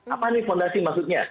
apa nih fondasi maksudnya